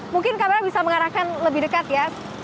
mungkin kamera bisa mengarahkan lebih dekat ya